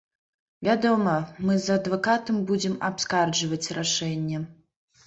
Вядома, мы з адвакатам будзем абскарджваць рашэнне.